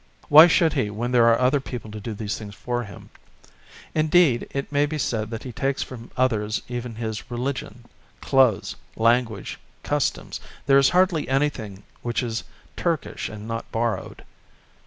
Why should he, when there are other people to do these things for him. Indeed, it may be said that he takes from others even his religion, clothes, language, customs; there is hardly anything which is Turkish and not borrowed.